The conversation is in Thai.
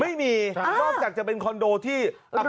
ไม่มีนอกจากจะเป็นคอนโดที่